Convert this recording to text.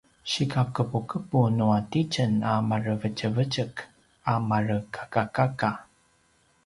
sikaqepuqepu nua titjen a marevetjevetjek a marekakakaka